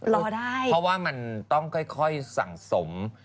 รอได้เพราะว่ามันต้องค่อยสั่งสม